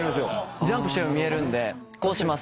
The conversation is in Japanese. ジャンプしてるように見えるんでこうします。